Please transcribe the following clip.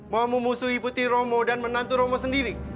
mau memusuhi putih romo dan menantu romo sendiri